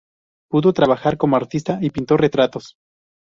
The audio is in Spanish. Pudo trabajar como artista y pintó retratos.